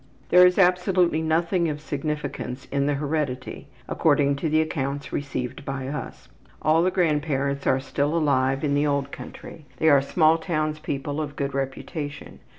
There is absolutely nothing of significance in the heredity, according to the accounts received by us. All the grandparents are still alive in the old country. They are small townspeople of good reputation.